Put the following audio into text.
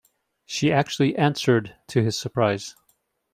She actually answered, to his surprise